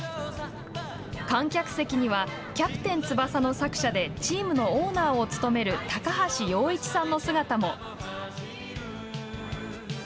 観客席には「キャプテン翼」の作者でチームのオーナーを務める高橋陽一さんの姿も。